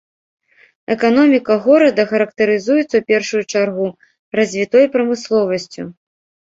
Эканоміка горада характарызуецца, у першую чаргу, развітой прамысловасцю.